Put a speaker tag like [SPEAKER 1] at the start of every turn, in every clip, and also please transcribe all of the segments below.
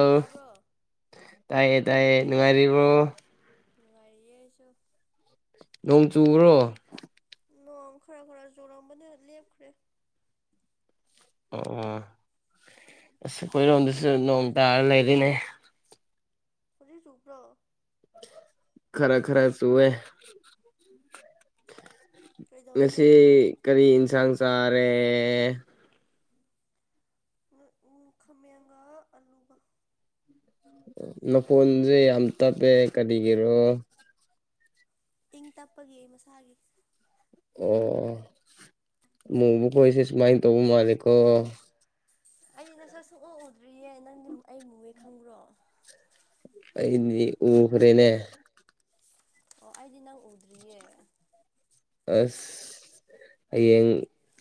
[SPEAKER 1] ꯑ
[SPEAKER 2] ꯇꯥꯕ꯭ꯔꯣ
[SPEAKER 1] ꯇꯥꯏꯌꯦ ꯇꯥꯏꯌꯦ ꯅꯨꯡꯉꯥꯏꯔꯤꯕ‌ꫭ
[SPEAKER 2] ꯅꯨꯡꯉꯥꯏꯔꯤꯌ‌ꯦ ꯑꯩꯁꯨ
[SPEAKER 1] ꯅꯣꯡ ꯆꯨꯕ꯭ꯔꯣ
[SPEAKER 2] ꯅꯣꯡ ꯈꯔ ꯈꯔ ꯆꯨꯔꯝꯕꯅ‌ꯦ ꯂꯦꯞꯈ꯭ꯔꯦ
[SPEAKER 1] ꯑꯣꯃꯥ ꯑꯁ ꯑꯩꯈ‌ꫭꯏꯔꯣꯝꯗꯁꯨ ꯅꯣꯡ ꯇꯥꯔ ꯂꯩꯔ‌ꯦꯅ‌ꯦ
[SPEAKER 2] ꯍꯧꯖꯤꯛꯆꯨꯕ꯭ꯔ‌ꫭ
[SPEAKER 1] ꯈꯔ ꯈꯔ ꯆꯨꯋꯦ
[SPEAKER 2] ꯀꯩꯗꯧꯔꯤꯅꯣ
[SPEAKER 1] ꯉꯁꯤ
[SPEAKER 2] ꯅꯪꯗꯤ
[SPEAKER 1] ꯀꯔꯤ ꯌꯦꯟꯁꯥꯡ ꯆꯥꯔꯦ...
[SPEAKER 2] ꯑ ꯎ ꯈꯥꯃ‌ꯦꯟꯒ ꯑꯂꯨꯒ
[SPEAKER 1] ꯅ ꯅꯥꯈ‌ꫭꯟꯁꯦ ꯌꯥꯝ ꯇꯞꯄꯦ ꯀꯔꯤꯒꯤꯔꯣ
[SPEAKER 2] ꯏꯪ ꯇꯞꯄꯒꯤ ꯃꯁꯥꯒꯤ
[SPEAKER 1] ꯑꯣ ꯅꯪꯒꯤ ꯀꯣꯏꯁꯦ ꯁꯨꯃꯥꯏꯅ ꯇꯧꯕ ꯃꯥꯜꯂꯤꯀꯣ
[SPEAKER 2] ꯑꯩꯗꯤ ꯅꯁꯛ ꯁꯨꯡꯑ‌‌ꯗꯤꯌ‌ꯦ ꯅꯪꯗꯤ ꯑꯩ ꯃꯨꯃꯦ ꯈꯪꯕ꯭ꯔꯣ
[SPEAKER 1] ꯑꯩꯗꯤ ꯎꯈ꯭ꯔꯦꯅꯦ
[SPEAKER 2] ꯑꯣ ꯑꯩꯗꯤ ꯅꯪ ꯎꯗ꯭ꯔꯤꯌꯦ
[SPEAKER 1] ꯑꯁ ꯍꯌꯦꯡ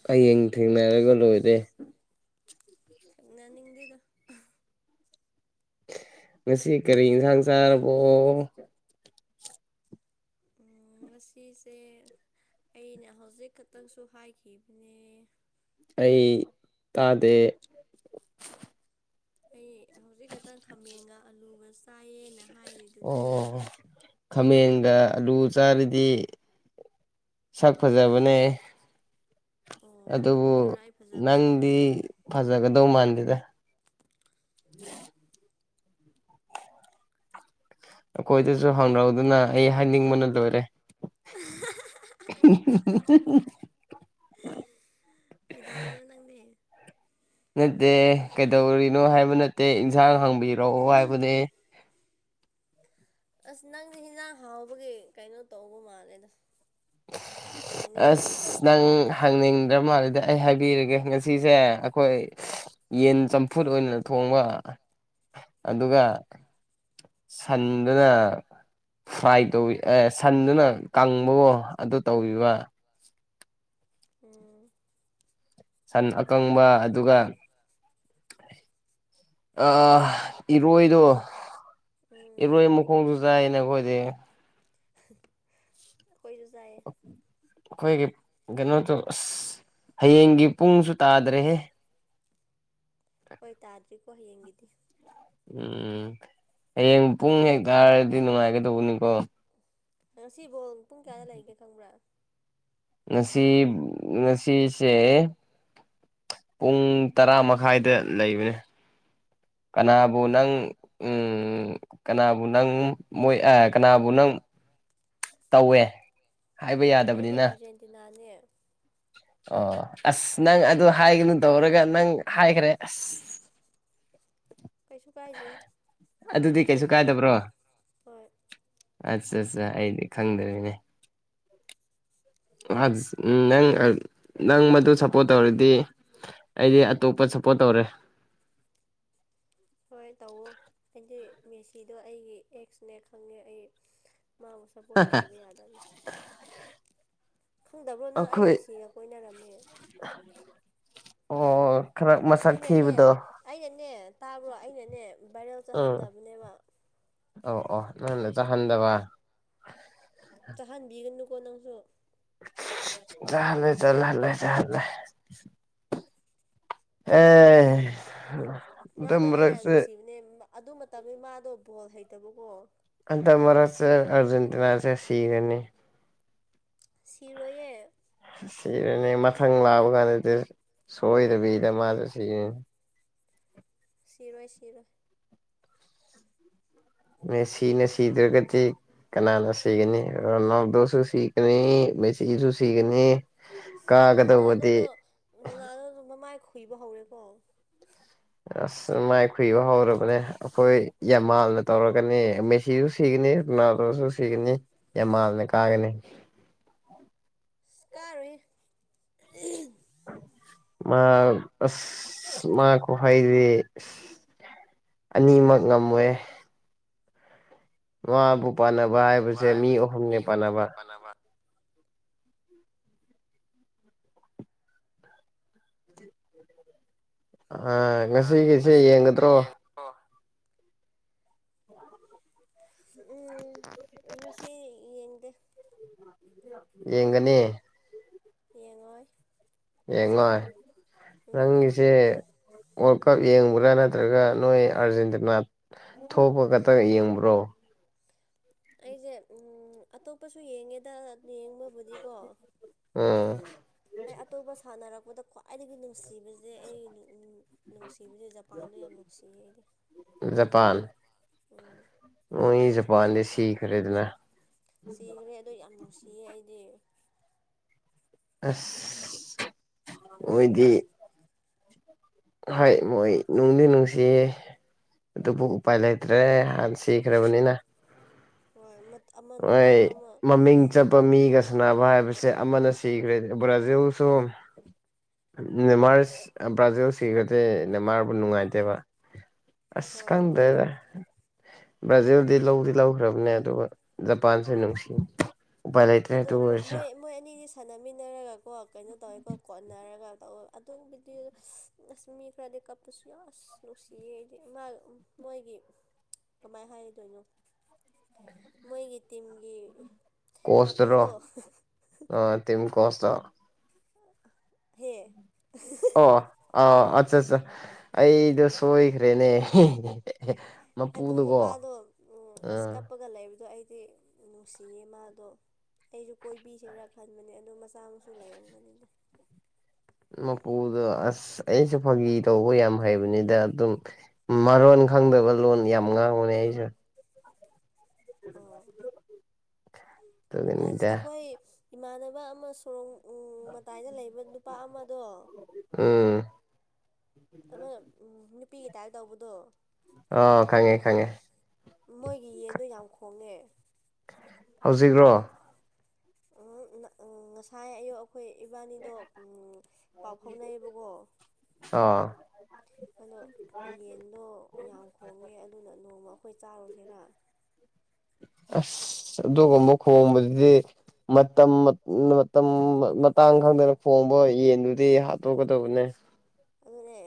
[SPEAKER 1] ꯍꯌꯦꯡ ꯊꯦꯡꯅꯔꯒ ꯂꯣꯏꯔꯦ
[SPEAKER 2] ꯊ‌ꯦꯡꯅꯅꯤꯡꯗꯦꯗ
[SPEAKER 1] ꯉꯁꯤ ꯀꯔꯤ ꯌꯦꯟꯁꯥꯡ ꯆꯥꯔꯕꯣ
[SPEAKER 2] ꯉꯁꯤꯁꯦ ꯑꯩꯅ ꯍꯧꯖꯤꯛ ꯈꯛꯇꯪꯁꯨ ꯍꯥꯏꯈꯤꯕꯅꯦ
[SPEAKER 1] ꯑꯩ ꯇꯥꯗꯦ
[SPEAKER 2] ꯑꯩ ꯍꯧꯖꯤꯛ ꯈꯛꯇꯪ ꯈꯥꯃꯦꯟꯒ ꯑꯂꯨꯒ ꯆꯥꯏ
[SPEAKER 1] ꯑꯣ ꯈꯥꯃꯦꯡꯒ ꯑꯂꯨ ꯆꯥꯔꯤꯗꯤ ꯁꯛ ꯐꯖꯕꯅꯦ
[SPEAKER 2] ꯑꯣ
[SPEAKER 1] ꯑꯗꯨꯕꯨ
[SPEAKER 2] ꯑꯗꯨꯒꯤꯔ ꯑꯩ ꯐꯖꯕꯁꯦ
[SPEAKER 1] ꯅꯪꯗꯤ
[SPEAKER 2] ꯈꯪꯗꯦꯀꯣ
[SPEAKER 1] ꯐꯖꯒꯗꯧ ꯃꯥꯟꯗꯦꯗꯥ [inaudible] ꯑꯩꯈꯣꯏꯗꯁꯨ ꯍꯪꯔꯧꯗꯅ ꯑꯩ ꯍꯥꯏꯅꯤꯡꯕꯅ ꯂꯣꯏꯔꯦ [inaudible]
[SPEAKER 2] ꯀꯩꯗꯧꯔꯤꯅ‌ꫭ ꯅꯪꯗꯤ
[SPEAKER 1] ꯅꯠꯇꯦ ꯀꯩꯗꯧꯔꯤꯅꯣ ꯍꯥꯏꯕ ꯅꯠꯇꯦ ꯏꯟꯁꯥꯡ ꯍꯥꯡꯕꯤꯔꯛꯑꯣ ꯍꯥꯏꯕꯅꯦ
[SPEAKER 2] ꯑꯁ ꯅꯪꯗꯤ ꯍꯤꯟꯖꯥꯡ ꯍꯥꯎꯕꯒꯤ ꯀꯩꯅꯣ ꯇꯧꯕ ꯃꯥꯜꯂꯦ ꯗꯥ
[SPEAKER 1] ꯑꯁ ꯅꯪ ꯍꯪꯅꯤꯡꯗ꯭ꯔ ꯃꯥꯜꯂꯦꯗ ꯑꯩ ꯍꯥꯏꯕꯤꯔꯒꯦ ꯉꯁꯤꯁꯦ ꯑꯩꯈꯣꯏ ꯌꯦꯟ ꯆꯝꯐꯨꯠ ꯑꯣꯏꯅ ꯊꯣꯡꯕ‌ ꯑꯗꯨꯒ ꯁꯟꯗꯨꯅ ꯐ꯭ꯔꯥꯏ ꯇꯧꯋꯤ ꯑꯦ ꯁꯟꯗꯨꯅ ꯀꯥꯕꯨꯑ‌ꫭ ꯑꯗꯨ ꯇꯧꯕꯤꯕ
[SPEAKER 2] ꯑ
[SPEAKER 1] ꯁꯟ ꯑꯀꯪꯕ ꯑꯗꯨꯒ ꯑ ꯏꯔꯣꯏꯗꯣ
[SPEAKER 2] ꯎꯝ
[SPEAKER 1] ꯏꯔꯣꯏ ꯃꯈꯣꯡꯁꯨ ꯆꯥꯏꯅ ꯑꯩꯈꯣꯏꯗꯤ
[SPEAKER 2] ꯑꯣꯏꯈꯣꯏꯁꯨ ꯆꯥꯏ
[SPEAKER 1] ꯀꯩꯅꯣꯇꯣ ꯑꯁ ꯍꯌꯦꯡꯒꯤ ꯄꯨꯡꯁꯨ ꯇꯥꯗ꯭ꯔꯦꯍꯦ
[SPEAKER 2] ꯍꯣꯏ ꯇꯥꯗ꯭ꯔꯤꯀꯣ ꯍꯌꯦꯡꯒꯤꯗꯤ
[SPEAKER 1] ꯎꯝ ꯍꯌꯦꯡ ꯄꯨꯡ ꯍꯦꯛ ꯇꯥꯔꯗꯤ ꯅꯨꯡꯉꯥꯏꯒꯗꯧꯕꯅꯤꯀꯣ
[SPEAKER 2] ꯉꯁꯤꯕꯣ ꯄꯨꯡ ꯀꯌꯥꯗ ꯂꯩꯒꯦ ꯈꯪꯕ꯭ꯔꯥ
[SPEAKER 1] ꯅꯁꯤ ꯅꯁꯤꯁꯦ ꯄꯨꯡ ꯇꯔꯥ ꯃꯈꯥꯏꯗ ꯂꯩꯕꯅꯦ ꯀꯅꯥꯕꯨ ꯅꯪ ꯎꯝ ꯎꯝ ꯀꯅꯥꯕꯨ ꯅꯪ ꯃꯣꯏ ꯑ ꯀꯅꯥꯕꯨ ꯅꯪ ꯇꯧꯋꯦ ꯍꯥꯏꯕ
[SPEAKER 2] ꯑꯩꯗꯤ
[SPEAKER 1] ꯌꯥꯗꯕꯅꯤꯅ
[SPEAKER 2] ꯑꯥꯔꯖꯦꯟꯇꯤꯅꯥꯅꯦ
[SPEAKER 1] ꯑꯣ ꯑꯁ ꯅꯪ ꯑꯗꯨ ꯍꯥꯏꯒꯅꯨ ꯇꯧꯔꯒ ꯅꯪ ꯍꯥꯏꯈ꯭ꯔꯦ ꯑꯁ [unintelligible]
[SPEAKER 2] ꯀꯩꯁꯨ ꯀꯥꯏꯁꯦ
[SPEAKER 1] ꯑꯗꯨꯗꯤ ꯀꯩꯁꯨ
[SPEAKER 2] ꯁꯤꯒꯨꯝꯕꯗꯤꯀꯣ
[SPEAKER 1] ꯀꯥꯏꯗꯕ꯭ꯔꯣ
[SPEAKER 2] ꯍꯣꯏ
[SPEAKER 1] ꯑꯠꯆꯥ ꯑꯩꯗꯤ ꯈꯪꯗꯔꯤꯅꯦ ꯅꯪ ꯅꯪ ꯃꯗꯨ ꯁꯞꯄꯣꯔꯠ ꯇꯧꯔꯗꯤ ꯑꯩꯗꯤ ꯑꯇꯣꯞꯄ ꯁꯞꯄꯣꯔꯠ ꯇꯧꯔꯦ [unintelligible]
[SPEAKER 2] ꯍꯣꯏ ꯇꯧꯑꯣ ꯑꯩꯗꯤ ꯃꯦꯁꯤꯗꯣ ꯑꯩꯒꯤ ꯑꯦꯛꯁꯅꯦ ꯈꯪꯉꯦ ꯑꯩ ꯃꯥꯕꯨ ꯁꯞꯄꯣꯔꯠ ꯇꯧꯗꯕ ꯌꯥꯗꯕꯅꯤ ꯈꯪꯗꯕ꯭ꯔꯣ ꯅꯪ ꯑꯩ
[SPEAKER 1] ꯑꯩꯈꯣꯏ
[SPEAKER 2] ꯃꯤꯁꯤꯒ ꯀꯣꯏꯅꯔꯝꯃꯦ
[SPEAKER 1] ꯑꯣ ꯈꯔ ꯃꯁꯛ
[SPEAKER 2] ꯑꯩꯅꯅꯦ
[SPEAKER 1] ꯊꯤꯕꯗꯣ
[SPEAKER 2] ꯑꯩꯅꯅꯦ ꯇꯥꯕ꯭ꯔꯣ ꯑꯩꯅꯅꯦ ꯚꯏꯔꯦꯜ
[SPEAKER 1] ꯎꯝ
[SPEAKER 2] ꯆꯠꯍꯟꯗꯕꯅꯦꯕ
[SPEAKER 1] ꯑꯣ ꯑꯣ ꯅꯉꯣꯟꯗ ꯆꯥꯍꯟꯗꯕ
[SPEAKER 2] ꯆꯥꯍꯟꯕꯤꯒꯅꯨꯀꯣ ꯅꯪꯁꯨ
[SPEAKER 1] ꯆꯍꯂꯦ ꯆꯂꯂꯦ ꯆꯍꯂꯦ ꯑꯦ ꯍꯟꯗꯛ
[SPEAKER 2] ꯃꯥꯗꯣ ꯑꯩ ꯌꯥꯝ
[SPEAKER 1] ꯃꯔꯛꯁꯦ
[SPEAKER 2] ꯅꯨꯡꯁꯤꯕꯅꯦ ꯑꯗꯨ ꯃꯇꯝꯗꯤ ꯃꯥꯗꯣ ꯕꯣꯜ ꯍꯩꯇꯕꯀꯣ
[SPEAKER 1] ꯑꯗ ꯃꯔꯔꯁ ꯑꯔꯖꯦꯟꯇꯤꯅꯥ ꯆ ꯁꯤꯤ ꯔꯅꯤ
[SPEAKER 2] ꯁꯤꯔꯣꯏꯦ
[SPEAKER 1] ꯁꯤꯔꯅꯦ ꯃꯊꯪ ꯂꯥꯛꯕ ꯀꯥꯟꯗꯗꯤ ꯁꯣꯏꯗꯕꯤꯗ ꯃꯥꯁꯨ ꯁꯤꯔꯅꯤ [unintelligible]
[SPEAKER 2] ꯁꯤꯔꯣꯏ ꯁꯤꯔꯣꯏ
[SPEAKER 1] ꯅ ꯁꯤꯅꯦ ꯁꯤꯗ꯭ꯔꯒꯗꯤ ꯀꯅꯥꯅ ꯁꯤꯒꯅꯤ ꯅꯎꯗꯣꯁꯨ ꯁꯤꯒꯅꯤ ꯃꯦꯆꯁꯨ ꯁꯤꯒꯅꯤ
[SPEAKER 2] ꯔꯣꯅꯥꯜꯗꯣꯗꯣ
[SPEAKER 1] ꯀꯥꯒꯗꯧꯕꯗꯤ
[SPEAKER 2] ꯔꯣꯅꯥꯜꯗꯣꯗꯣ ꯃꯃꯥꯏ ꯈꯨꯨꯏꯕ ꯍꯧꯔꯦꯀꯣ
[SPEAKER 1] ꯑꯁ ꯃꯥꯏ ꯈꯨꯨꯏꯕ ꯍꯧꯔꯕꯅꯦ ꯑꯩꯈꯣꯏ ꯌꯥꯝꯃꯥꯜꯅ ꯇꯧꯔꯒꯅꯤ ꯃꯦꯁꯤꯁꯨ ꯁꯤꯒꯅꯤ ꯅꯥꯁꯨ ꯁꯤꯒꯅꯤ ꯌꯥꯝꯃꯜꯅꯦ ꯀꯥꯒꯅꯤ
[SPEAKER 2] ꯀꯥꯔꯣꯏ
[SPEAKER 1] ꯃꯥ ꯑ ꯃꯥ ꯀ ꯍꯥꯏꯗꯤ ꯑꯅꯤꯃꯛ ꯉꯝꯃꯣꯏꯦ ꯃꯥꯕꯨ ꯄꯥꯟꯅꯕ ꯍꯥꯏꯕꯁꯦ ꯃꯤ ꯑꯍꯨꯝꯅꯦ ꯄꯥꯟꯅꯕ ꯑ ꯉꯁꯤꯒꯤꯁꯦ ꯌꯦꯡꯒꯗ꯭ꯔꯣ
[SPEAKER 2] ꯎꯝꯁ ꯌꯦꯡꯗꯦ
[SPEAKER 1] ꯌꯦꯡꯒꯅꯤ
[SPEAKER 2] ꯌꯦꯉꯣꯣꯏ
[SPEAKER 1] ꯌꯦꯡꯉꯣ ꯅꯪꯒꯤꯁꯦ ꯋꯥꯔꯜ ꯀꯞ ꯌꯦꯡꯕ꯭ꯔꯥ ꯅꯠꯇ꯭ꯔꯒ ꯅꯣꯏ ꯑꯥꯔꯖꯦꯟꯇꯤꯅꯥ ꯊꯣꯛꯄ ꯈꯛꯇ ꯌꯦꯡꯕ꯭ꯔꯣ
[SPEAKER 2] ꯑꯩꯁꯦ ꯑꯇꯣꯞꯄꯁꯨ ꯌꯦꯡꯉꯦꯗ ꯌꯦꯡꯕꯕꯨꯗꯤꯀꯣ
[SPEAKER 1] ꯎꯝ
[SPEAKER 2] ꯑꯩ ꯑꯇꯣꯞꯄ ꯁꯥꯟꯅꯔꯛ ꯃꯣꯟꯗ ꯈ꯭ꯋꯥꯏꯗꯒꯤ ꯅꯨꯡꯁꯤꯕꯁꯦ ꯑꯩ ꯅꯨꯡꯁꯤ ꯅꯨꯡꯕꯁꯦ ꯖꯄꯥꯟꯗ ꯌꯥꯝ ꯅꯨꯡꯁꯤꯌꯦ ꯑꯩꯗꯤ ꯎꯝ
[SPEAKER 1] ꯎ ꯄꯥꯟꯗ ꯁꯤ ꯈꯔꯤꯗꯅ
[SPEAKER 2] ꯁꯤꯈ꯭ꯔꯦ ꯑꯗ ꯌꯥꯝ ꯅꯨꯡꯁꯤꯌꯦ ꯑꯩꯗꯤ
[SPEAKER 1] ꯑꯁ ꯑꯣꯏꯣꯏꯗꯤ ꯍꯥꯏ ꯃꯣꯏ ꯅꯨꯡꯗꯤ ꯅꯨꯡꯁꯤ ꯑꯗꯨꯕꯨ ꯎꯄꯥꯏ ꯂꯩꯇ꯭ꯔꯦ ꯍꯥꯟꯅ ꯁꯤꯈ꯭ꯔꯕꯅꯤꯅ
[SPEAKER 2] ꯍꯣꯏ ꯑꯃ
[SPEAKER 1] ꯍꯣꯏ
[SPEAKER 2] ꯅꯨꯄꯥ ꯑꯃ
[SPEAKER 1] ꯃꯃꯤꯡ ꯆꯠꯄ ꯃꯤꯒꯁ ꯅꯥꯅꯕ ꯍꯥꯏꯕꯁꯦ ꯑꯃꯅ ꯁꯤꯈ꯭ꯔꯦ ꯕ꯭ꯔꯥꯖꯤꯜꯁꯨ ꯅꯦꯃꯥꯔ ꯕ꯭ꯔꯥꯖꯤꯜ ꯁꯤꯈ꯭ꯔꯗꯦ ꯅꯦꯃꯥꯔꯕꯨ ꯅꯨꯡꯉꯥꯏꯇꯦꯕ ꯑꯁ
[SPEAKER 2] ꯍꯣꯏ
[SPEAKER 1] ꯈꯪꯗ꯭ꯔꯦꯗ
[SPEAKER 2] ꯆꯨꯝꯃꯦ
[SPEAKER 1] ꯕ꯭ꯔꯥꯖꯤꯜꯗꯤ ꯂꯧꯗꯤ ꯂꯧꯈ꯭ꯔꯕꯅꯦ ꯑꯗꯨ ꯖꯄꯥꯟꯁꯦ ꯅꯨꯡꯁꯤ ꯂꯩꯇ꯭ꯔꯦ
[SPEAKER 2] ꯑꯗꯣ
[SPEAKER 1] ꯑꯗꯨ ꯑꯣꯏꯔꯁꯨ
[SPEAKER 2] ꯃꯣꯏ ꯃꯣꯏ ꯑꯅꯤꯗꯤ ꯁꯥꯟꯅꯃꯤꯟꯅꯔꯒꯀꯣ ꯀꯩꯅꯣ ꯇꯧꯋꯦꯀꯣ ꯀꯣꯟꯅꯔꯒ ꯇꯧꯋꯦ ꯑꯗꯨ ꯚꯤꯗꯤꯑꯣ
[SPEAKER 1] [unintelligible]
[SPEAKER 2] ꯑꯁ ꯃꯤ ꯈꯔꯗꯤꯩ ꯀꯥꯞꯄꯁꯨ ꯌꯥꯝꯁ ꯅꯨꯡꯁꯤꯌꯦ ꯍꯥꯏꯗꯤ ꯃꯣꯏꯒꯤ ꯀꯃꯥꯏꯅ ꯍꯥꯏꯔꯤꯗꯣꯏꯅꯣ ꯃꯣꯏꯒꯤ ꯇꯤꯝꯒꯤ
[SPEAKER 1] ꯀꯣꯁꯇꯔꯣ
[SPEAKER 2] ꯃꯄꯨꯗꯣ
[SPEAKER 1] ꯑ ꯇꯝ ꯀꯣꯁ
[SPEAKER 2] ꯍꯦ
[SPEAKER 1] ꯑꯣ ꯑ ꯑꯠꯆꯥ ꯑꯠꯆꯥ ꯑꯩꯗꯣ ꯁꯣꯏꯈ꯭ꯔꯦꯅꯦ
[SPEAKER 2] ꯑꯗꯨ
[SPEAKER 1] ꯃꯄꯨꯗꯨꯀꯣ
[SPEAKER 2] ꯅꯨꯄꯥꯗꯣ ꯎ ꯑꯁ
[SPEAKER 1] ꯑꯥ
[SPEAKER 2] ꯀꯞꯄꯒ ꯂꯩꯕꯗꯣ ꯑꯩ ꯍꯥꯏꯗꯤ ꯅꯨꯡꯁꯤꯌꯦ ꯃꯥꯗꯣ ꯑꯩꯁꯨ ꯀꯣꯏꯕꯤꯁꯦꯔꯥ ꯈꯟꯕꯅꯦ ꯑꯗꯣ ꯃꯆꯥ ꯃꯁꯨ ꯂꯩꯔꯝꯒꯅꯤꯅꯦ
[SPEAKER 1] ꯃꯄꯨꯗꯣ ꯑꯁ ꯑꯩꯁꯨ ꯐꯥꯒꯤ ꯇꯧꯕ ꯌꯥꯝ ꯍꯩꯕꯅꯤꯗ ꯑꯗꯨꯝ ꯃꯔꯣꯟ ꯈꯪꯗꯕ ꯂꯣꯟ ꯌꯥꯝ ꯉꯥꯡꯕꯅꯦ ꯑꯩꯁꯨꯦ
[SPEAKER 2] ꯑꯣ
[SPEAKER 1] [unintelligible]
[SPEAKER 2] ꯑꯁ
[SPEAKER 1] ꯑꯗꯨꯒꯤꯅꯤꯗ
[SPEAKER 2] ꯑꯩꯈꯣꯏ ꯏꯃꯥꯟꯅꯕ ꯑꯃ ꯁꯣꯔꯣꯡ ꯃꯇꯥꯏꯗ ꯂꯩꯕ ꯅꯨꯄꯥ ꯑꯃꯗꯣ
[SPEAKER 1] ꯎꯝ
[SPEAKER 2] ꯑꯃ ꯅꯨꯄꯤꯒ ꯇꯥꯏꯔ ꯇꯧꯕꯗꯣ
[SPEAKER 1] ꯑ ꯈꯪꯉꯦ ꯈꯉꯦ
[SPEAKER 2] ꯃꯣꯏꯒꯤ ꯌꯦꯟꯗꯣ ꯌꯥꯝ ꯈꯣꯡꯉꯦ
[SPEAKER 1] ꯍꯧꯖꯤꯛ꯭ꯔꯣ
[SPEAKER 2] ꯎ ꯉꯁꯥꯏ ꯑꯌꯨ ꯑꯩꯈꯣꯏ ꯏꯕꯥꯅꯤꯗꯣ ꯄꯥꯎ ꯐꯥꯎꯅꯩꯌꯦꯕꯀꯣ
[SPEAKER 1] ꯑꯥ
[SPEAKER 2] ꯑꯗꯣ ꯌꯦꯟꯟꯅꯣ ꯌꯥꯝ ꯈꯣꯡꯉꯦ ꯑꯗꯨꯅ ꯅꯣꯡꯃ ꯑꯩꯈꯣꯏ ꯆꯥꯔꯨꯁꯤꯔꯥ
[SPEAKER 1] ꯑꯁ ꯑꯗꯨꯒꯨꯝꯕ ꯈꯣꯡꯝꯕꯗꯨꯗꯤ ꯃꯇꯝ ꯃꯇꯝ ꯃꯇꯥꯡ ꯈꯪꯗꯅ ꯈꯣꯡꯕ ꯌꯦꯟꯗꯨꯗꯤ ꯍꯥꯠꯇꯣꯛꯀꯗꯧꯕꯅꯦ
[SPEAKER 2] ꯑꯗꯨꯅꯦ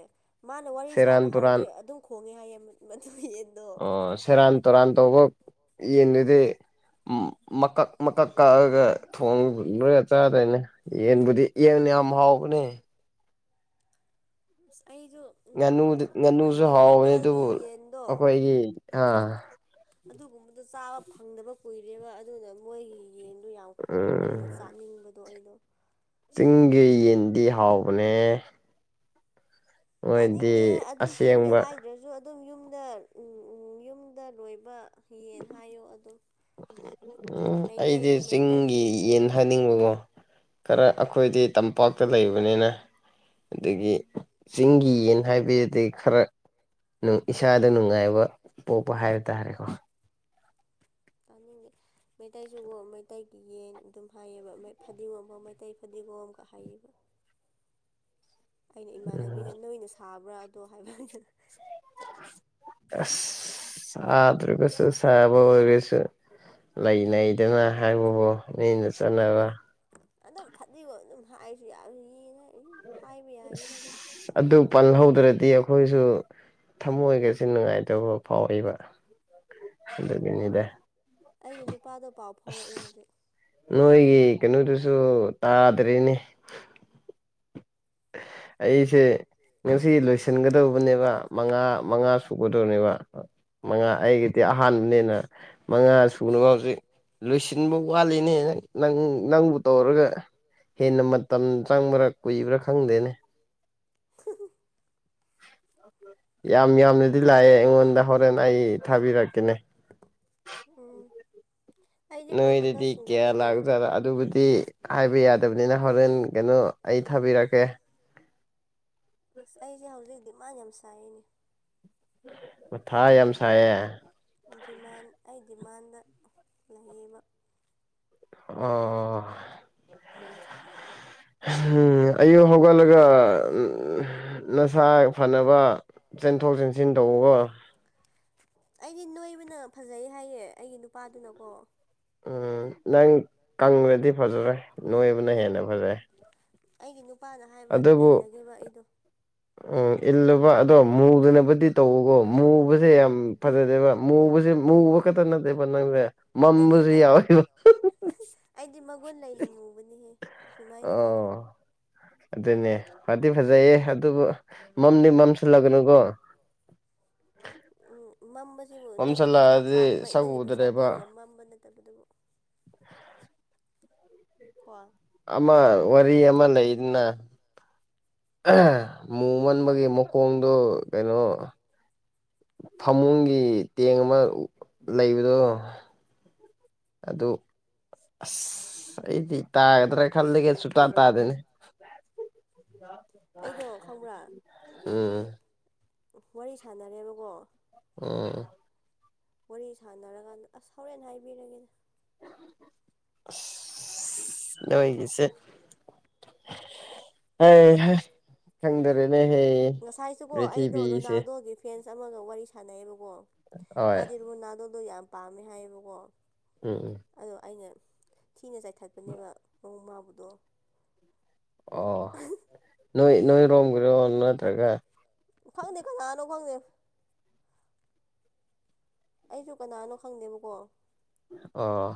[SPEAKER 2] ꯃꯥꯅ ꯋꯥꯔꯤ ꯁꯥꯕ
[SPEAKER 1] ꯇꯨꯔꯥꯟ
[SPEAKER 2] ꯍꯧꯔꯗꯤ ꯑꯗꯨꯝ ꯈꯣꯡꯉꯦ ꯍꯥꯏꯌꯦ ꯃꯗꯨ ꯌꯦꯟꯗꯣ
[SPEAKER 1] ꯑꯣ ꯁꯦꯔꯥꯟ ꯇꯨꯔꯥꯟ ꯇꯧꯕ ꯌꯦꯟꯗꯨꯗꯤ ꯃꯀꯛ ꯃꯀꯛ ꯀꯛꯑꯒ ꯊꯣꯡ ꯂꯣꯏꯔ ꯆꯥꯗ꯭ꯔꯣꯏꯅꯦ ꯌꯦꯟꯕꯨꯗꯤ ꯌꯦꯡꯅꯤ ꯝ ꯍꯥꯎꯒꯅꯦ
[SPEAKER 2] ꯑꯁ ꯑꯩꯁꯨ
[SPEAKER 1] ꯉꯥꯅꯨꯗ ꯉꯥꯅꯨꯁꯨ
[SPEAKER 2] ꯑꯩꯈꯣꯏꯒꯤ
[SPEAKER 1] ꯍꯥꯎꯕꯅꯦ
[SPEAKER 2] ꯂꯣꯀꯦꯜꯒꯤ
[SPEAKER 1] ꯑꯗꯨꯕꯨ
[SPEAKER 2] ꯌꯦꯟꯗꯣ
[SPEAKER 1] ꯑꯩꯈꯣꯏꯒꯤ ꯑꯥ
[SPEAKER 2] ꯑꯗꯨꯒꯨꯝꯕꯗ ꯆꯥꯕ ꯐꯪꯗꯕ ꯀꯨꯏꯔꯦꯕ ꯑꯗꯨꯅ ꯃꯣꯏꯒꯤ ꯌꯦꯟꯗꯣ ꯌꯥꯝ
[SPEAKER 1] ꯎꯝ
[SPEAKER 2] ꯈꯣꯡꯕꯅꯤꯅ ꯆꯥꯅꯤꯡꯕꯗꯣ ꯑꯩꯗꯣ
[SPEAKER 1] ꯆꯤꯡꯒꯤ ꯌꯦꯟꯗꯤ ꯍꯥꯎꯕꯅꯦ ꯃꯣꯏꯗꯤ
[SPEAKER 2] ꯇꯥꯅꯤꯡꯗꯦꯍꯦ ꯑꯗꯨꯝ ꯆꯤꯡꯒꯤ
[SPEAKER 1] ꯑꯁꯦꯡꯕ
[SPEAKER 2] ꯍꯥꯏꯗ꯭ꯔꯁꯨ ꯑꯗꯨꯝ ꯌꯨꯝꯗ ꯌꯨꯝꯗ ꯂꯣꯏꯕ ꯌꯦꯟ ꯍꯥꯏꯌꯣ ꯑꯗꯨꯝ
[SPEAKER 1] ꯎꯝ ꯑꯩꯗꯤ
[SPEAKER 2] ꯃꯩꯇꯩꯁꯨ ꯃꯩꯇꯩ
[SPEAKER 1] ꯆꯤꯡꯒꯤ ꯌꯦꯟ
[SPEAKER 2] ꯍꯥꯏꯌꯦ
[SPEAKER 1] ꯍꯥꯥꯅꯤꯡꯕꯀꯣ ꯈꯔ ꯑꯩꯈꯣꯏꯗꯤ ꯇꯝꯄꯥꯛꯇ ꯂꯩꯕꯅꯤꯅ ꯑꯗꯒꯤ ꯆꯤꯡꯒꯤ ꯌꯦꯟ ꯍꯥꯏꯕꯗꯒꯤ ꯈꯔ ꯏꯁꯥꯗ ꯅꯨꯡꯉꯥꯏꯕ ꯄꯣꯛꯄ ꯍꯥꯏꯕ ꯇꯥꯔꯦꯀꯣ
[SPEAKER 2] ꯥꯅꯤꯡꯉꯦ ꯃꯩꯇꯩꯁꯨ ꯃꯩꯇꯩꯒꯤ ꯌꯦꯟ ꯑꯗꯨꯝ ꯍꯥꯏꯌꯦꯕ ꯐꯗꯤꯒꯣꯝꯐ ꯃꯩꯇꯩ ꯐꯗꯤ ꯕꯣ ꯑꯃ ꯀ ꯍꯥꯏꯥꯏꯌꯦꯕ
[SPEAKER 1] [unintelligible]
[SPEAKER 2] ꯑꯩꯅ
[SPEAKER 1] ꯎꯝ
[SPEAKER 2] ꯏꯃꯥꯟꯅꯕꯤꯗ ꯅꯣꯏꯅ ꯁꯥꯕ꯭ꯔꯥꯗꯣ ꯍꯥꯏꯕꯅꯤꯅ
[SPEAKER 1] ꯑꯁ ꯁꯗꯔꯔꯒꯥꯁꯨ ꯁꯥꯕ ꯑꯣꯏꯔꯥꯁꯨ ꯂꯩ ꯂꯩꯩꯗꯅ ꯍꯥꯏꯕꯕꯨ ꯃꯤꯅ ꯆꯠꯅꯕ
[SPEAKER 2] ꯑꯗꯨꯝ ꯐꯗꯤꯒꯣ ꯑꯗꯨꯝ ꯍꯥꯏꯁꯨ ꯌꯥꯅ
[SPEAKER 1] ꯑꯁ ꯑꯗꯨ ꯄꯜꯍꯧꯗ꯭ꯔꯗꯤ ꯑꯩꯈꯣꯏꯁꯨ ꯊꯃꯣꯏꯒꯁ ꯅꯨꯡꯉꯥꯏꯇꯕ ꯐꯥꯎꯏꯕ ꯑꯗꯨꯒꯤꯅꯤꯗ
[SPEAKER 2] ꯑꯩꯒꯤ ꯅꯨꯄꯥꯗꯣ ꯄꯥꯎ ꯐꯥꯎꯔꯛꯑꯦ ꯍꯧꯖꯤꯛ
[SPEAKER 1] ꯅꯣꯏꯒꯤ ꯀꯩꯅꯣꯗꯨꯁꯨ ꯇꯥꯗ꯭ꯔꯦꯅꯦ ꯑꯩꯁꯦ
[SPEAKER 2] ꯀꯩꯅꯣ
[SPEAKER 1] ꯉꯁꯤ ꯂꯣꯏꯁꯤꯟꯒꯗꯧꯕ ꯕ ꯃꯉꯥ ꯃꯉꯥ ꯁꯨꯒꯗꯧꯅꯦꯕ ꯃꯉꯥ
[SPEAKER 2] ꯍꯣꯏ
[SPEAKER 1] ꯑꯩꯒꯤꯗꯤ ꯑꯍꯥꯟꯕ ꯅꯤꯅ ꯃꯉꯥ ꯁꯨꯅꯕ ꯐꯁ ꯂꯣꯏꯁꯤꯟꯕ ꯋꯥꯠꯂꯤꯅꯦ ꯅꯪ ꯅꯪꯕꯨ ꯇꯧꯔꯒ ꯍꯦꯟꯅ ꯃꯇꯝ ꯆꯪꯕ꯭ꯔꯥ ꯀꯨꯏꯕ꯭ꯔꯥ ꯈꯪꯗꯦꯅꯦ
[SPEAKER 2] [unintelligible]
[SPEAKER 1] ꯑꯣ ꯌꯥꯝ ꯌꯥꯝꯅꯗꯤ ꯂꯥꯛꯑꯦ ꯑꯩꯉꯣꯟꯗ ꯍꯣꯔꯦꯟꯦꯟ ꯑꯩ ꯊꯥꯕꯤꯔꯛꯀꯦꯅꯦ
[SPEAKER 2] ꯑ
[SPEAKER 1] ꯅꯣꯏꯗꯗꯤ ꯀꯌꯥ ꯂꯥꯛꯗꯔ ꯑꯗꯨꯕꯨꯗꯤ ꯍꯥꯏꯕ ꯌꯥꯗ ꯇꯕꯅꯤꯅ ꯍꯣꯔꯦꯟ ꯀꯩꯅꯣ ꯑꯩ ꯊꯥꯕꯤꯔꯛꯀꯦ
[SPEAKER 2] ꯑꯁ ꯑꯩꯁꯦ ꯍꯧꯖꯤꯛ ꯗꯤꯃꯥꯟ ꯌꯥꯝ ꯁꯥꯏꯅꯦ
[SPEAKER 1] ꯃꯊꯥ ꯌꯥꯝ ꯁꯥꯌꯦ
[SPEAKER 2] ꯗꯤꯃꯥꯟ ꯑꯩ ꯗꯤꯃꯥꯟꯗ ꯂꯩꯌꯦꯕ
[SPEAKER 1] ꯑꯣ ꯎꯝ ꯑꯌꯨꯛ ꯍꯧꯒꯠꯂꯒ ꯅꯁꯥ ꯐꯅꯕ ꯆꯦꯟꯊꯣꯛ ꯆꯦꯟꯁꯤꯟ ꯇꯧꯕꯒꯣ
[SPEAKER 2] ꯑꯩꯗꯤ ꯅꯣꯏꯕꯅ ꯐꯖꯩ ꯍꯥꯏꯌꯦ ꯑꯩꯒꯤ ꯅꯨꯄꯥꯗꯨꯅꯀꯣ
[SPEAKER 1] ꯎꯝ ꯅꯪ ꯀꯪꯂꯪꯗꯤ ꯐꯖꯔꯣꯏ ꯅꯣꯏꯕꯅ ꯍꯦꯟꯅ ꯐꯖꯔꯦ
[SPEAKER 2] ꯑꯩꯒꯤ ꯅꯨꯄꯥꯅ ꯍꯥꯏꯕ ꯏꯜꯂꯒꯦꯕ ꯑꯩꯗꯣ
[SPEAKER 1] ꯏꯜꯂꯨꯕ ꯑꯗꯣ ꯃꯨꯗꯅꯕꯨꯗꯤ ꯇꯧꯕꯋꯀꯣ ꯃꯨꯕꯁꯦ ꯌꯥꯝ ꯐꯖꯗꯦꯕ ꯃꯨꯕꯁꯦ ꯃꯨꯕ ꯈꯛꯇ ꯅꯠꯗꯦꯕ ꯅꯪꯗꯦ
[SPEAKER 2] ꯑꯩꯗꯤ
[SPEAKER 1] ꯃꯝꯝꯕꯁꯨ
[SPEAKER 2] ꯑꯩ
[SPEAKER 1] ꯌꯥꯎꯋꯦꯕ
[SPEAKER 2] ꯑꯩꯗꯤ ꯃꯒꯨꯟ ꯂꯩꯅ ꯃꯨꯕꯅꯤꯍꯦ ꯁꯨꯃꯥꯏꯅ ꯍꯥꯏꯒꯅꯨ
[SPEAKER 1] ꯑꯣ ꯎ ꯑꯗꯨꯅꯦ ꯐꯗꯤ ꯐꯖꯩꯌꯦ ꯑꯗꯨꯕꯨ ꯃꯝꯗꯤ ꯃꯝꯁꯤꯜꯂꯒꯅꯨꯀꯣ [unintelligible]
[SPEAKER 2] ꯃꯃ ꯑꯁꯤꯕꯨ ꯅꯪꯒꯤ ꯄꯩꯁꯥ
[SPEAKER 1] ꯃꯝꯁꯤꯜꯂꯛꯑꯗꯤ ꯁꯛ
[SPEAKER 2] ꯅꯪꯒꯤ ꯄꯩꯁꯥ
[SPEAKER 1] ꯎꯗ꯭ꯔꯦꯕ
[SPEAKER 2] ꯄꯤꯔꯒ ꯃꯝꯕ ꯅꯠꯇꯕꯗꯨꯕꯨ ꯀꯣ
[SPEAKER 1] ꯑꯃ ꯋꯥꯔꯤ ꯑꯃ ꯂꯩꯗꯅ ꯃꯨꯃꯟꯕꯒꯤ ꯃꯈꯣꯡꯗꯨ ꯀꯩꯅꯣ ꯐꯃꯨꯡꯒꯤ ꯇꯦꯡ ꯑꯃ ꯂꯩꯕꯗꯣ ꯑꯗꯨ ꯑꯁ ꯑꯩꯗꯤ ꯇꯥꯒꯗ꯭ꯔꯥ ꯈꯜꯂꯒꯦ ꯇꯥꯥꯛ ꯇꯥꯗꯅꯦ
[SPEAKER 2] ꯑꯩꯗꯣ ꯈꯪꯕ꯭ꯔꯥ
[SPEAKER 1] ꯎꯝ
[SPEAKER 2] ꯋꯥꯔꯤ ꯁꯥꯟꯅꯔꯦꯕꯀꯣ
[SPEAKER 1] ꯎꯝ
[SPEAKER 2] ꯋꯥꯔꯤ ꯁꯥꯟꯅꯔꯀꯥꯟꯗ ꯑꯁ ꯍꯣꯔꯦꯟ ꯍꯥꯏꯕꯤꯔꯒꯦꯅ
[SPEAKER 1] ꯂꯣꯏꯒꯤꯁꯦ ꯍ ꯆꯪꯗꯔꯦ
[SPEAKER 2] ꯉꯁꯥꯏꯁꯤꯕꯣ ꯑꯩꯗꯣ ꯔꯣꯅꯥꯜꯗꯣꯒꯤ ꯐꯦꯟꯁ ꯑꯃꯒ ꯋꯥꯔꯤ ꯁꯥꯟꯅꯩꯌꯦꯕ ꯑꯣꯣ ꯃꯥ
[SPEAKER 1] ꯍꯣꯏ
[SPEAKER 2] ꯗꯤꯔꯒꯨ ꯅꯥꯗꯣꯟꯗꯣ ꯌꯥꯝ ꯄꯥꯝꯃꯦ ꯍꯥꯏꯌꯦꯕꯀꯣ
[SPEAKER 1] ꯎꯝ ꯎꯝ
[SPEAKER 2] ꯑꯗꯣ ꯑꯩꯅ ꯊꯤꯅ ꯆꯥꯏꯊꯠꯄꯅꯦꯕ ꯃ ꯃꯥꯕꯗꯣ
[SPEAKER 1] ꯑꯣ ꯅꯣꯏ ꯅꯣꯏꯔꯣꯝꯒꯤꯔꯣ ꯅꯠꯇ꯭ꯔꯒ
[SPEAKER 2] ꯐꯪꯗꯦ ꯀꯖꯥꯅꯣ ꯐꯪꯗꯦ ꯑꯩꯁꯨ ꯀꯅꯥꯅꯣ ꯈꯪꯗꯦꯕꯀꯣ
[SPEAKER 1] ꯑꯣ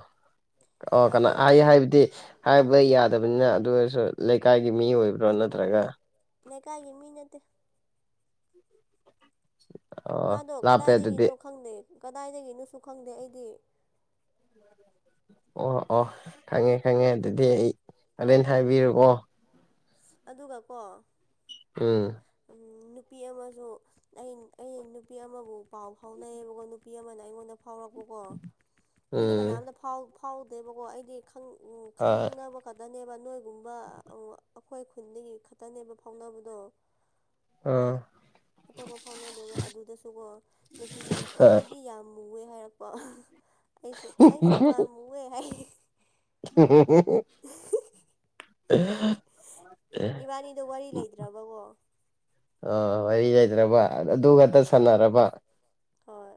[SPEAKER 1] ꯑꯣ ꯀꯅꯥ
[SPEAKER 2] ꯑꯗꯣ
[SPEAKER 1] ꯑꯩ ꯍꯥꯏꯕꯗꯤ ꯍꯥꯏ ꯌꯥꯗꯕꯅꯤꯅ ꯑꯗꯨ ꯑꯣꯏꯔꯁꯨ ꯂꯩꯀꯥꯏꯒꯤ ꯃꯤ ꯑꯣꯏꯕ꯭ꯔꯣ ꯅꯠꯇ꯭ꯔꯒ
[SPEAKER 2] ꯂꯩꯦꯀꯥꯏꯒꯤ ꯃꯤꯅꯠꯇ
[SPEAKER 1] ꯑꯣ
[SPEAKER 2] ꯃꯥꯗꯣ
[SPEAKER 1] ꯂꯥꯞꯄꯦ ꯑꯗꯨꯗꯤ
[SPEAKER 2] ꯀꯗꯥꯏꯗꯒꯤꯅꯣ ꯈꯪꯗꯦ ꯀꯗꯥꯏꯗꯒꯤꯅꯣꯁꯨ ꯈꯪꯗꯦ ꯑꯩꯗꯤ
[SPEAKER 1] ꯑꯣ ꯑꯣ ꯈꯪꯉꯦ ꯈꯪꯉꯦ ꯑꯗꯨꯗꯤ ꯑꯩ ꯑꯗꯨꯂꯦꯟ ꯍꯥꯏꯕꯤꯔꯨꯑꯣ
[SPEAKER 2] ꯑꯗꯨꯒ ꯀꯣ
[SPEAKER 1] ꯎꯝ
[SPEAKER 2] ꯅꯨꯄꯤ ꯑꯃꯁꯨ ꯑꯩ ꯑꯩ ꯅꯨꯄꯤ ꯑꯃꯕꯨ ꯄꯥꯎ ꯐꯥꯎꯅꯩꯌꯦꯕꯀꯣ ꯅꯨꯄꯤ ꯑꯃꯅ ꯑꯩꯉꯣꯟꯗ ꯐꯥꯎꯔꯛꯄꯀꯣ ꯑꯩꯗꯤ
[SPEAKER 1] ꯎꯝ
[SPEAKER 2] ꯀꯅꯥꯝꯇ ꯐꯥꯎꯗꯦꯕꯀꯣ ꯑꯩꯗꯤ ꯎ
[SPEAKER 1] ꯍꯣꯏ
[SPEAKER 2] ꯈꯪꯅꯕ ꯈꯛꯇꯅꯦꯕ ꯅꯣꯏꯒꯨꯝꯕ ꯑꯃ ꯑꯩꯈꯣꯏ ꯈꯨꯟꯗꯒꯤ ꯈꯛꯇꯅꯦꯕ ꯐꯥꯎꯅꯕꯗꯣ
[SPEAKER 1] ꯑꯥ
[SPEAKER 2] ꯑꯇꯣꯞꯄ ꯐꯥꯎꯅꯗꯦꯕ ꯑꯗꯨꯗꯁꯨꯀꯣ ꯅꯨꯄꯤꯗꯨꯅ ꯑꯩꯗꯤ ꯌꯥꯝ ꯃꯨꯋꯦ ꯍꯥꯏꯔꯛꯄ ꯑꯩꯁꯨ ꯑꯩꯁꯨ ꯃꯥꯝꯃꯨꯦ ꯍꯥꯏ
[SPEAKER 1] ꯎ
[SPEAKER 2] ꯏꯕꯥꯅꯤꯗꯣ ꯋꯥꯔꯤ ꯂꯩꯇ꯭ꯔꯕꯀꯣ
[SPEAKER 1] ꯑ ꯋꯥꯔꯤ ꯂꯩꯇ꯭ꯔꯕ ꯑꯗꯨ ꯈꯛꯇ ꯁꯥꯟꯅꯔꯕ
[SPEAKER 2] ꯍꯣꯏ